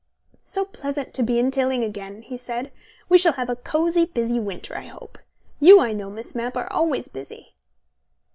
... "So pleasant to be in Tilling again," he said. "We shall have a cosy, busy winter, I hope. You, I know, Miss Mapp, are always busy."